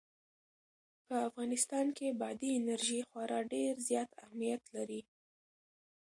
په افغانستان کې بادي انرژي خورا ډېر زیات اهمیت لري.